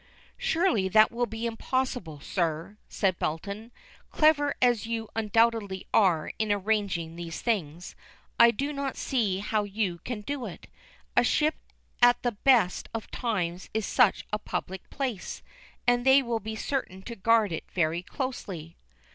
"Surely that will be impossible, sir," said Belton. "Clever as you undoubtedly are in arranging these things, I do not see how you can do it. A ship at the best of times is such a public place, and they will be certain to guard it very closely."